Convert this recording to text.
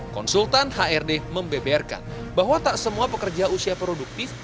konsultan hrd membeberkan bahwa tak semua pekerja usia produktif